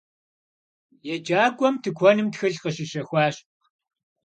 Yêcak'uem tıkuenım txılh khışişexuaş.